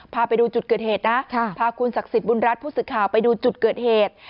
พาไปดูจุดเกิดเหตุนะพาคุณศักดิ์สิทธิบุญรัฐผู้สื่อข่าวไปดูจุดเกิดเหตุ